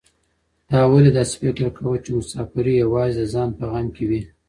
تا ولې داسې فکر کاوه چې مساپر یوازې د ځان په غم کې وي؟